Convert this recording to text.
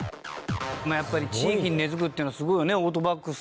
やっぱり地域に根付くっていうのはすごいよねオートバックス。